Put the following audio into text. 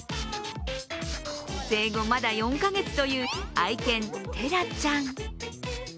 生後まだ４か月という愛犬・テラちゃん。